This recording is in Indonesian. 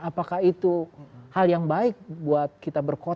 apakah itu hal yang baik buat kita berkuasa